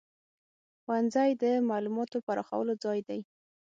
ښوونځی د معلوماتو پراخولو ځای دی.